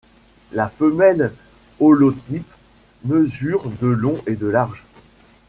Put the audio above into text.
La femelle holotype mesure de long et de large.